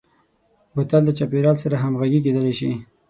بوتل د چاپیریال سره همغږي کېدلای شي.